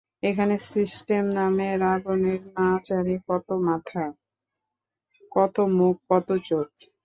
এখানে সিস্টেম নামে রাবণের না জানি কত মাথা, কত মুখ, কত চোখ।